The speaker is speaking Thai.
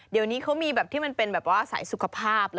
เดี๋ยวนี้เขามีที่มันเป็นสายสุขภาพ